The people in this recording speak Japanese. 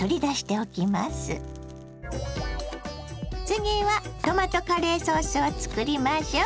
次はトマトカレーソースを作りましょ。